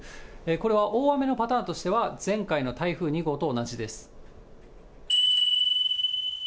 これは大雨のパターンとしては、前回の台風２号と同じです。